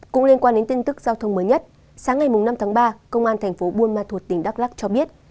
cũng liên quan đến tin tức giao thông mới nhất sáng ngày năm tháng ba công an thành phố buôn ma thuột tỉnh đắk lắc cho biết